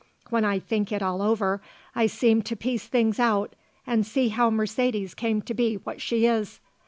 When I think it all over I seem to piece things out and see how Mercedes came to be what she is.